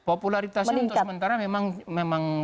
popularitasnya untuk sementara memang